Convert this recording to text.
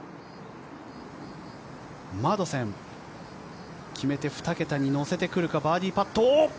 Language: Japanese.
マドセン、決めて２桁にのせてくるか、バーディーパット。